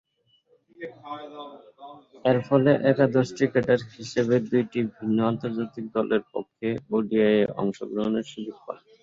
এরফলে, একাদশ ক্রিকেটার হিসেবে দুইটি ভিন্ন আন্তর্জাতিক দলের পক্ষে ওডিআইয়ে অংশগ্রহণের সুযোগ পান।